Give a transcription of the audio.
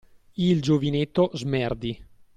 Il giovinetto Smerdi.